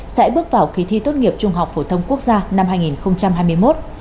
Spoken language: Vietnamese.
sẽ bước vào kỳ thi tốt nghiệp trung học phổ thông quốc gia năm hai nghìn hai mươi một